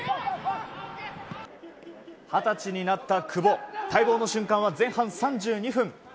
二十歳になった久保待望の瞬間は前半３２分。